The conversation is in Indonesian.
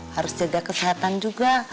harus jaga kesehatan juga